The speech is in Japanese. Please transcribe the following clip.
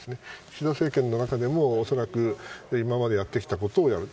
岸田政権の中でも今までやってきたことをやる